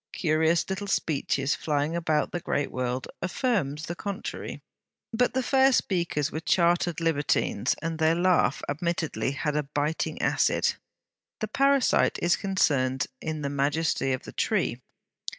Curious little speeches flying about the great world, affirmed the contrary. But the fair speakers were chartered libertines, and their laugh admittedly had a biting acid. The parasite is concerned in the majesty of the tree.